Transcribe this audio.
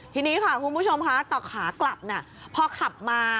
ทีนี้ค่ะคุณผู้ชมค่ะต่อขากลับพอขับมา